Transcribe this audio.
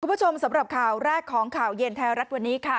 สำหรับข่าวแรกของข่าวเย็นไทยรัฐวันนี้ค่ะ